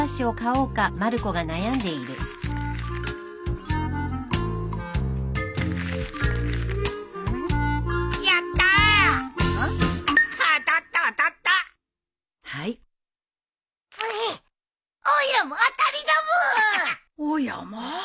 おやまあ。